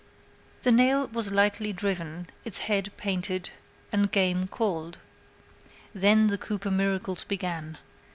The nail was lightly driven, its head painted, and game called. Then the Cooper miracles began.